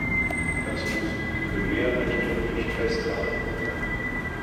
Das muss im Primärrecht deutlich festgehalten werden.